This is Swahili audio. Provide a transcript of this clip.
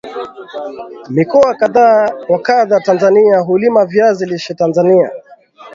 Mikoa kadha wa kdha Tanzania hulima Viazi lishe TAnzania